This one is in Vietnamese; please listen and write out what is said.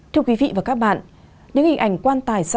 thưa quý vị và các bạn những hình ảnh quan tài sắp xảy